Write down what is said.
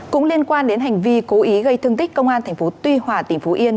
cũng liên quan đến hành vi cố ý gây thương tích công an tp tuy hòa tp yên